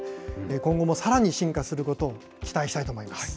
今後もさらに進化することを期待したいと思います。